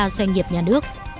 bốn mươi ba doanh nghiệp nhà nước